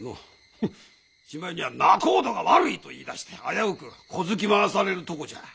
ふっしまいには「仲人が悪い」と言いだして危うく小突き回されるとこじゃ。